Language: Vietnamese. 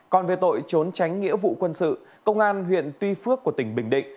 còn về tội trốn tránh nghĩa vụ quân sự công an huyện tuy phước của tỉnh bình định